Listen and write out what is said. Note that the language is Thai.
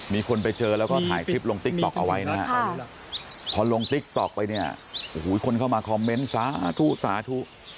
มีคนไปเจอแล้วก็ถ่ายคลิปลงติ๊กต๊อกเอาไว้นะฮะพอลงติ๊กต๊อกไปเนี่ยโอ้โหคนเข้ามาคอมเมนต์สาธุสาธุ